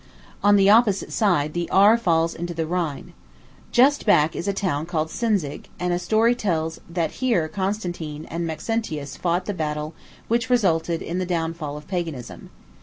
On the opposite side the Aar falls into the Rhine. Just back is a town called Sinzig, and story tells that here Constantine and Maxentius fought the battle which resulted in the downfall of paganism.